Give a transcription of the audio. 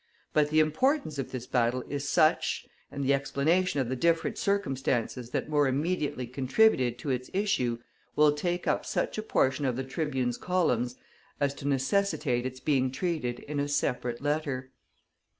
But the importance of this battle is such, and the explanation of the different circumstances that more immediately contributed to its issue will take up such a portion of The Tribune's columns, as to necessitate its being treated in a separate letter.